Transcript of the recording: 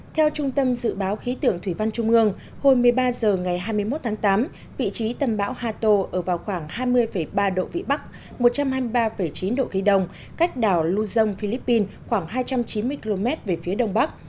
theo trung tâm dự báo khí tượng thủy văn trung ương hồi một mươi ba h ngày hai mươi một tháng tám vị trí tâm bão hato ở vào khoảng hai mươi ba độ vĩ bắc một trăm hai mươi ba chín độ kinh đông cách đảo luzon philippines khoảng hai trăm chín mươi km về phía đông bắc